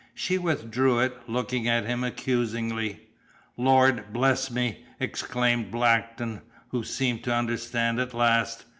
She withdrew it, looking at him accusingly. "Lord bless me!" exclaimed Blackton, who seemed to understand at last.